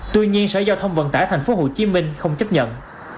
tuy nhiên sở giao thông vận tải tp hcm không chấp nhận